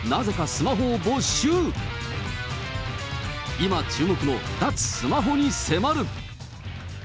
今、注目の脱スマホに迫る。